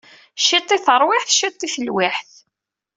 Ciṭ i tarwiḥt ciṭ i telwiḥt.